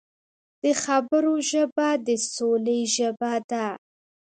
د خبرو ژبه د سولې ژبه ده